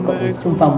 cậu xung phong